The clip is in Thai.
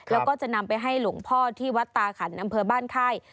แล้วก็จะนำไปให้หลวงพ่อที่วัดตาขันอำเภอบ้านค่าย